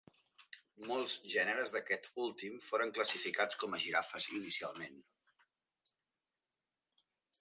Molts gèneres d'aquest últim foren classificats com a girafes inicialment.